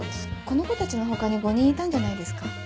この子たちの他に５人いたんじゃないですか？